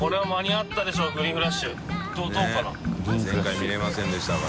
前回見れませんでしたから。